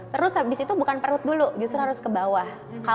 terus habis itu bukan perut dulu justru harus ke bawah